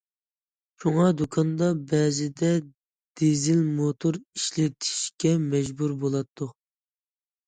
شۇڭا دۇكاندا بەزىدە دىزېل موتور ئىشلىتىشكە مەجبۇر بولاتتۇق.